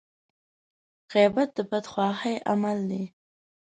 غيبت د بدخواهي عمل دی.